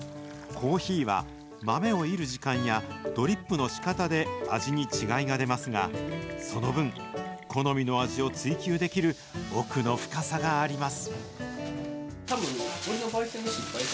コーヒーは、豆をいる時間やドリップのしかたで味に違いが出ますが、その分、好みの味を追求できる、奥の深さがあります。